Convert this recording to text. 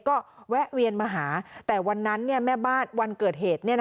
ก็แวะเวียนมาหาแต่วันนั้นแม่บ้านวันเกิดเหตุ